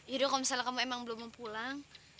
yaudah kalau misalnya kamu emang belum mau pulang